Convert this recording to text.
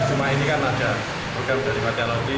cuma ini kan ada program dari warga laundry